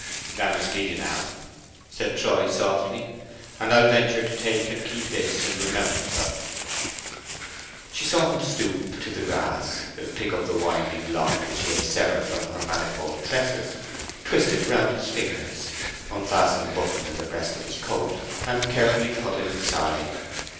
"I must leave you now," said Troy, softly. "And I'll venture to take and keep this in remembrance of you." She saw him stoop to the grass, pick up the winding lock which he had severed from her manifold tresses, twist it round his fingers, unfasten a button in the breast of his coat, and carefully put it inside.